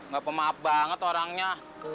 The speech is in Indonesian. gak pemaaf banget orangnya